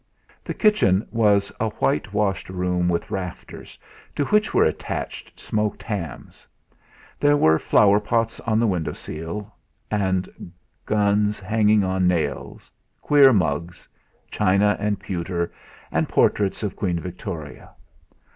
The kitchen was a white washed room with rafters, to which were attached smoked hams; there were flower pots on the window sill, and guns hanging on nails, queer mugs, china and pewter, and portraits of Queen Victoria.